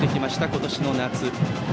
今年の夏。